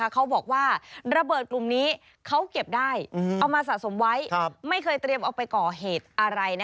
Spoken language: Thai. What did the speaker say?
เขาบอกว่าระเบิดกลุ่มนี้เขาเก็บได้เอามาสะสมไว้ไม่เคยเตรียมเอาไปก่อเหตุอะไร